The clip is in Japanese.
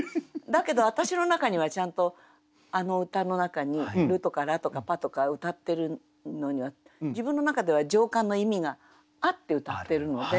だけど私の中にはちゃんとあの歌の中に「ル」とか「ラ」とか「パ」とか歌ってるのには自分の中では情感の意味があって歌ってるので。